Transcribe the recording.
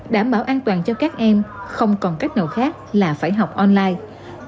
đảm bảo an toàn cho các em không còn cách nào khác là phải học online